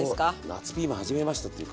夏ピーマン始めましたっていう感じで。